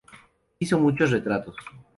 Hizo muchos retratos.